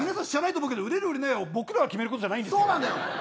売れる売れないは僕らが決めることじゃないんです。